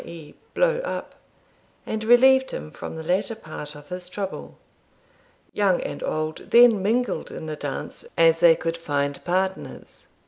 e. blow up), and relieved him from the latter part of his trouble. Young and old then mingled in the dance as they could find partners.